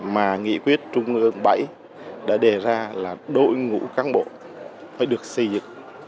mà nghị quyết trung ương bảy đã đề ra là đội ngũ cán bộ phải được xây dựng